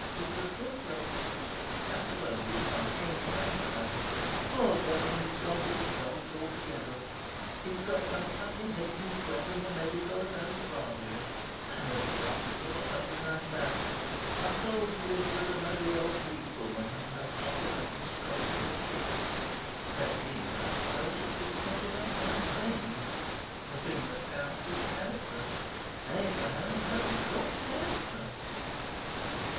"It was just luck. I suppose there was some kink in Abraham. Poor devil, he's gone to the dogs altogether. He's got some twopenny halfpenny job in the medical at Alexandria sanitary officer or something like that. I'm told he lives with an ugly old Greek woman and has half a dozen scrofulous kids. The fact is, I suppose, that it's not enough to have brains. The thing that counts is character. Abraham hadn't got character."